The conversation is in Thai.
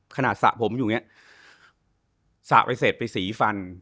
ขณะสะผมสะไปเสร็จไปสีฟัน